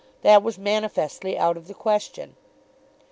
That was manifestly out of the question.